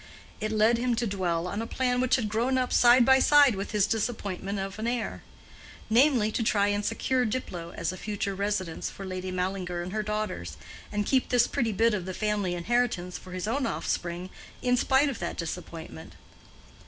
It led him to dwell on a plan which had grown up side by side with his disappointment of an heir; namely, to try and secure Diplow as a future residence for Lady Mallinger and her daughters, and keep this pretty bit of the family inheritance for his own offspring in spite of that disappointment.